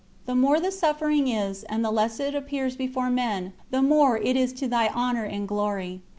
The more the suffering is and the less it appears before men, the more is it to Thy Honour and Glory.